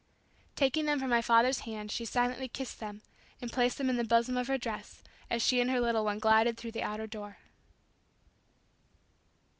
Taking them from my father's hand she silently kissed them and placed them in the bosom of her dress as she and her little one glided through the outer door.